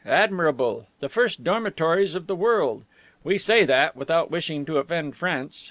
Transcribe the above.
Admirable! The first dormitories of the world. We say that without wishing to offend France.